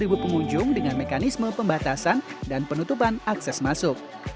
tmii juga berhubung dengan mekanisme pembatasan dan penutupan akses masuk